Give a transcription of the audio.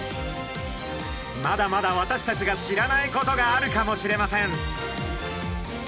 まだまだ私たちが知らないことがあるかもしれません。